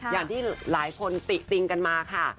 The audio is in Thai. อย่างที่หลายคนติติงกันมาค่ะ